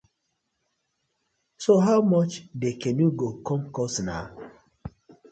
So how much the canoe go com cost naw?